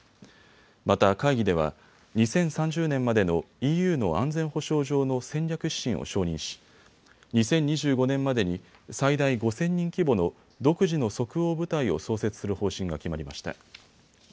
また会議では２０３０年までのＥＵの安全保障上の戦略指針を承認し２０２５年までに最大５０００人規模の独自の即応部隊を創設する方針が決まりました。